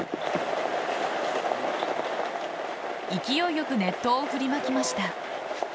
勢いよく熱湯を振りまきました。